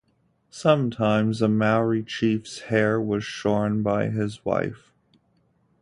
Sometimes a Maori chief's hair was shorn by his wife.